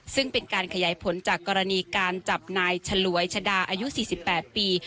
ซึ่งเป็นการขยายผลจากกรณีการจับนายฉลวยชะดาอายุ๔๘ปี